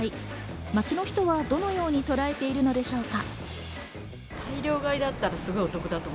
街の人はどのようにとらえているのでしょうか。